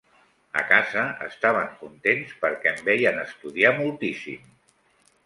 A casa estaven contents perquè em veien estudiar moltíssim.